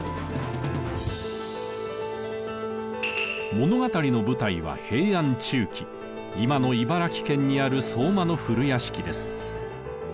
物語の舞台は平安中期今の茨城県にある相馬の古屋敷です。